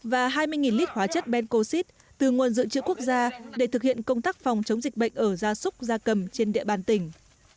và hai mươi lít hóa chất bencoxid từ nguồn dự trữ quốc gia để thực hiện công tác phòng chống dịch bệnh ở gia súc gia cầm trên địa bàn tỉnh